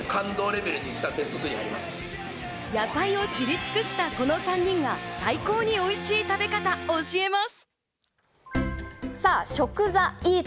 野菜を知り尽くしたこの３人が最高においしい食べ方を教えます。